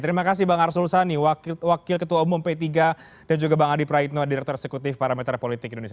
terima kasih bang arsul sani wakil ketua umum p tiga dan juga bang adi praitno direktur eksekutif parameter politik indonesia